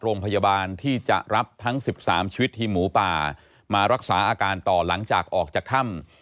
โรงพยาบาลที่จะรับทั้ง๑๓ชีวิตทีมหมูป่ามารักษาอาการต่อหลังจากออกจากถ้ำ